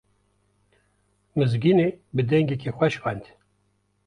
Mizgînê bi dengekî xweş xwend.